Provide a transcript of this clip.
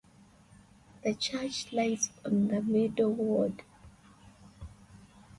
The church lies on the middle ward.